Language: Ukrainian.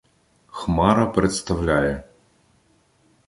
Хмара представляє: